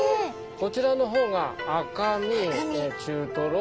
こちらの方が赤身中トロ